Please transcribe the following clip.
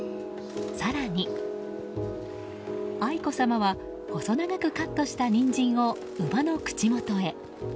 更に愛子さまは細長くカットしたニンジンを馬の口元へ。